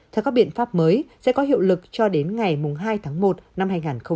theo các biện pháp mới sẽ có hiệu lực cho đến ngày hai tháng một năm hai nghìn hai mươi